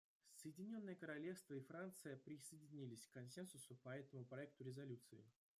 Соединенное Королевство и Франция присоединились к консенсусу по этому проекту резолюции.